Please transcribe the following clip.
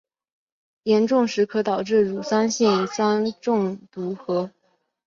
严重时可导致乳酸性酸中毒和。